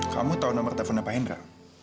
kamu tahu nomor teleponnya pak hendra